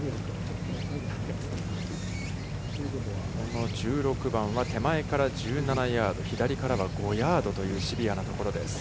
この１６番は、手前から１７ヤード、左からは５ヤードというシビアなところです。